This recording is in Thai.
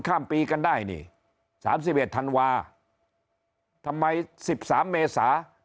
ข้ามปีกันได้นี่๓๑ธันวาทำไม๑๓เมษา